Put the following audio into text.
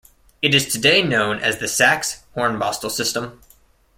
It is today known as the Sachs-Hornbostel system.